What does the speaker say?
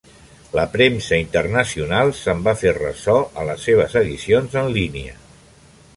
La premsa internacional se'n va fer ressò a les seves edicions en línia.